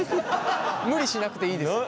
無理しなくていいですよ。